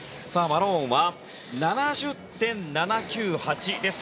マローンは７０．７９８。